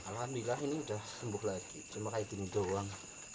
alhamdulillah ini udah sembuh lagi cuma kayak gini doang